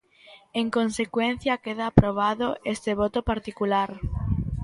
En consecuencia, queda aprobado este voto particular.